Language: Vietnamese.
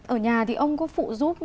ở nhà thì ông có phụ giúp